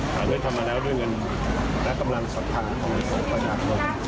ขายเลือดทำมาแล้วด้วยเงินและกำลังสัมภัณฑ์ของประชาชน